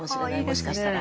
もしかしたら。